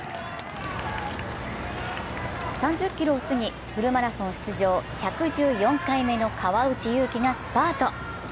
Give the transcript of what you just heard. ３０ｋｍを過ぎ、フルマラソン出場１１４回目の川内優輝がスパート。